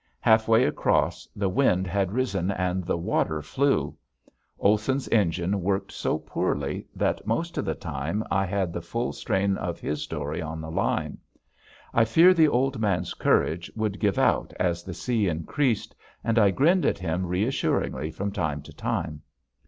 Half way across the wind had risen and the water flew. Olson's engine worked so poorly that most of the time I had the full strain of his dory on the line. I feared the old man's courage would give out as the sea increased, and I grinned at him reassuringly from time to time.